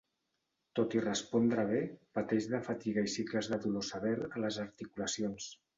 Tot i respondre bé, pateix de fatiga i cicles de dolor sever a les articulacions.